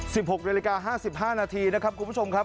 ๑๖เนื้อมาลิกา๕๕นาทีนะครับคุณผู้ชมครับ